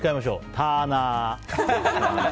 ターナー。